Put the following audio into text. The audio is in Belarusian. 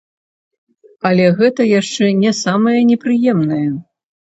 Але гэта яшчэ не самае непрыемнае.